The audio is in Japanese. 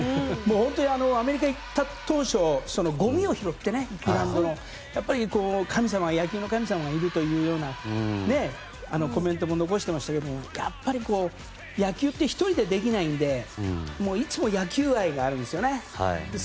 本当にアメリカに行った当初グラウンドのごみを拾ってやっぱり野球の神様がいるというようなコメントも残していましたけどやっぱり、野球って１人でできないのでいつも野球愛があるんですよね。